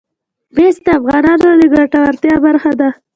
مس د افغانانو د ګټورتیا برخه ده.